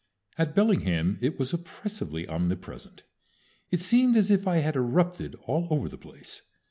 At Bellingham it was oppressively omnipresent. It seemed as if I had erupted all over the place.